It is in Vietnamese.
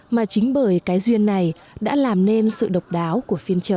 mà chính bởi cái duyên này đã làm nên sự độc đáo của phiên chợ